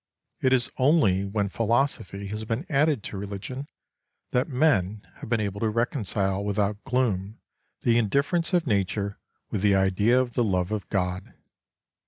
It is only when philosophy has been added to religion that men have been able to reconcile without gloom the indifference of Nature with the idea of the love of God.